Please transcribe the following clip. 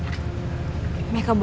mek neknya ga apa apa